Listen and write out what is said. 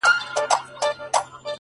گوره زما گراني زما د ژوند شاعري،